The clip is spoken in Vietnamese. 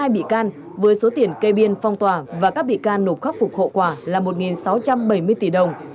một trăm linh hai bị can với số tiền cây biên phong tỏa và các bị can nộp khắc phục hậu quả là một sáu trăm bảy mươi tỷ đồng